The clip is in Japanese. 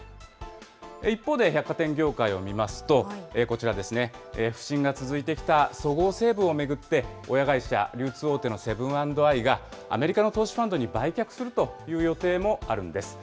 一方で百貨店業界を見ますと、こちらですね、不振が続いてきたそごう・西武を巡って、親会社、流通大手のセブン＆アイが、アメリカの投資ファンドに売却するという予定もあるんです。